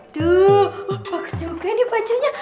duh bagus juga nih bajunya